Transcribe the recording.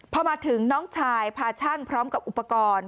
พอมาถึงน้องชายพาช่างพร้อมกับอุปกรณ์